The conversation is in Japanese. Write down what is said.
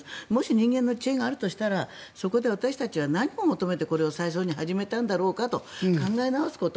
人間の知恵があるんだとすればそこで私たちは何を求めて最初に始めたんだろうかと考え直すこと